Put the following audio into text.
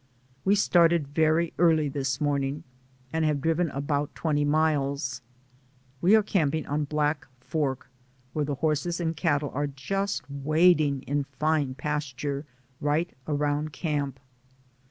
We started very early this morning and have driven about twenty miles. Are camping on Black Fork, where the horses and cattle are just wading in fine pasture right around camp.